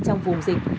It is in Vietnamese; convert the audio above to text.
trong vùng dịch